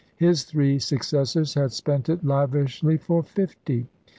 His three successors had spent it lavishly for fifty.